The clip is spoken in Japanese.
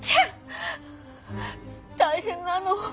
大変なの。